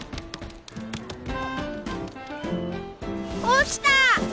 落ちた！